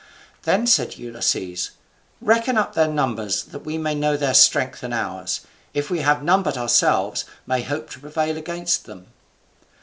Then said Ulysses, "Reckon up their numbers that we may know their strength and ours, if we having none but ourselves may hope to prevail against them."